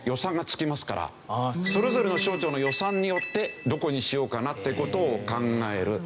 それぞれの省庁の予算によってどこにしようかなって事を考える。